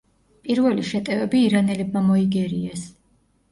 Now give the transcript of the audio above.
პირველი შეტევები ირანელებმა მოიგერიეს.